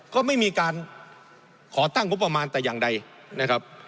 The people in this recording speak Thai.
ก็ไม่มีการขอตั้งงบประมาณแต่อย่างใดนะครับ